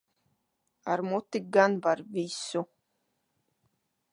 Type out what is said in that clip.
Ar muti gan var visu.